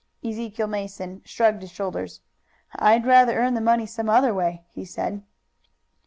Ezekiel Mason shrugged his shoulders. "I'd rather earn the money some other way!" he said.